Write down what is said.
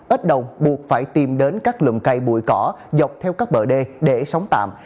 ít đồng buộc phải tìm đến các lùm cây bụi cỏ dọc theo các bờ đê để sống tạm